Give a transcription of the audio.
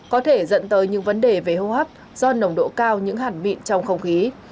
có thể dẫn tới những vấn đề về hô hấp do nồng độ cao những hẳn mịn trong không khí